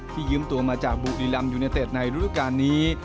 ที่ยืมตัวมาจากบุรีรัมย์ยูเนตเต็ดในรูปการณ์นี้